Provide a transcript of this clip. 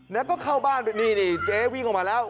แล้วก็เข้าบ้านไปนี่เจ๊วิ่งออกมาแล้ว